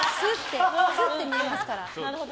スッて見えますから。